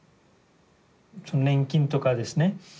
年金とかですね